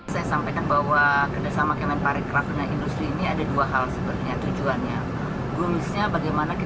saya sampaikan bahwa kerjasama kementerian pariwisata dan ekonomi kreatif ini